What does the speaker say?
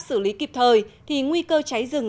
xử lý kịp thời thì nguy cơ cháy rừng